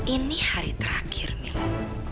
ini hari terakhir milo